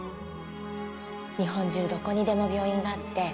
日本中どこにでも病院があって